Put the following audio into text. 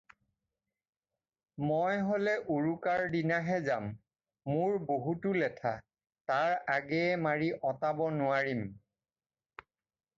মই হ'লে উৰুকাৰ দিনাহে যাম, মোৰ বহুতো লেঠা, তাৰ আগেয়ে মাৰি অঁতাব নোৱাৰিম।